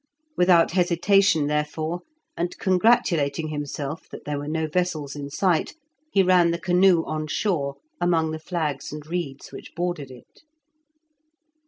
Without hesitation, therefore, and congratulating himself that there were no vessels in sight, he ran the canoe on shore among the flags and reeds which bordered it.